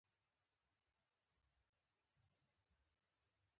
ښې خبرې اترې کول د پام وړ مهارت دی چې باید پرې کار وشي.